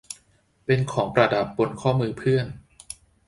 เป็นของประดับบนข้อมือเพื่อน